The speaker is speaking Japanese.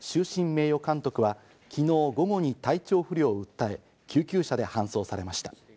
名誉監督は昨日午後に体調不良を訴え、救急車で搬送されました。